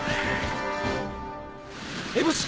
エボシ！